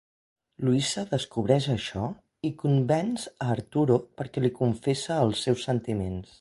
Luisa descobreix això i convenç a Arturo perquè li confessa els seus sentiments.